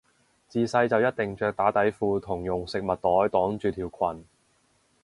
自細就一定着打底褲同用食物袋擋住條裙